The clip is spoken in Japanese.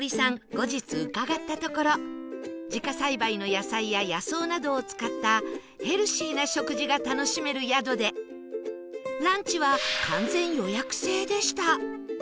後日伺ったところ自家栽培の野菜や野草などを使ったヘルシーな食事が楽しめる宿でランチは完全予約制でした